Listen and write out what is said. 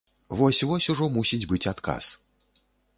Вось-вось ужо мусіць быць адказ.